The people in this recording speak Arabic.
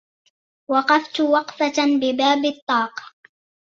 وقفت وقفة بباب الطاق